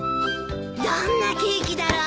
どんなケーキだろう？